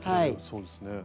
そうですね。